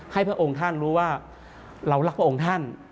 พระองค์ท่านรู้ว่าเรารักพระองค์ท่าน